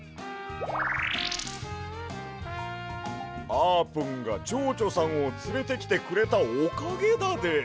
あーぷんがちょうちょさんをつれてきてくれたおかげだで。